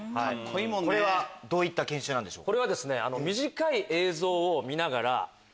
これはどういった研修なんでしょうか？